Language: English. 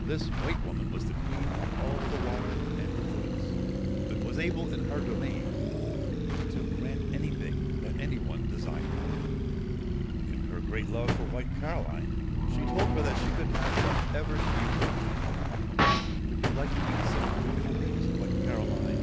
This White Woman was the Queen of all the water and the woods, and was able, in her domain, to grant anything that any one desired. In her great love for White Caroline, she told her that she could have whatever she wished. ' Would you like to eat some beautiful grapes, White Caroline